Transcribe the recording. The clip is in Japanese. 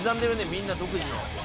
みんな独自の。